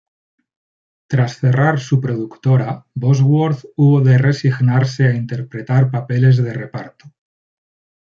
Tras cerrar su productora, Bosworth hubo de resignarse a interpretar papeles de reparto.